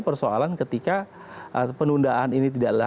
persoalan ketika penundaan ini tidak dilakukan